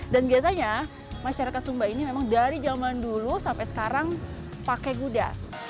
dan biasanya masyarakat sumba ini memang dari jaman dulu sampai sekarang pakai kuda